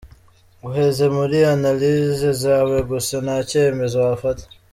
Uheze muri anallyse zawe gusa ntacyemezo wafata.